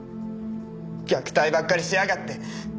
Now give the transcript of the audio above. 虐待ばっかりしやがって。